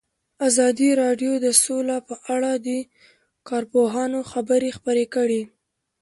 ازادي راډیو د سوله په اړه د کارپوهانو خبرې خپرې کړي.